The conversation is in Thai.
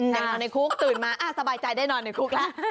แต่อยู่ในคุกตื่นมาสบายใจได้นอนในคุกแล้ว